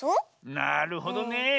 なるほどね。